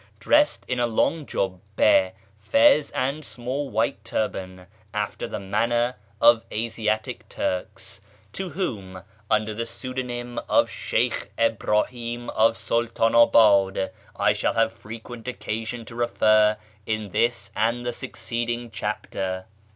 dressed in a long juhM, fez, and small white turban, after the manner of Asiatic Turks, to whom, under the pseudonym of Sheykh Ibrahim of Sultanabad, I shall have frequent occasion to refer in this and the succeeding chapter.